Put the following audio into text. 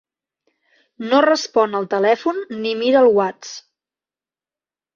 No respon al telèfon ni mira el whats.